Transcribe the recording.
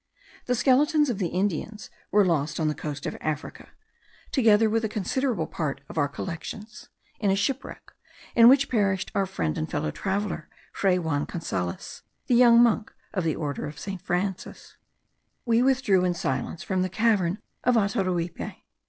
The skeletons of the Indians were lost on the coast of Africa, together with a considerable part of our collections, in a shipwreck, in which perished our friend and fellow traveller, Fray Juan Gonzales, the young monk of the order of Saint Francis. We withdrew in silence from the cavern of Ataruipe.